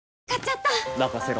まかせろ！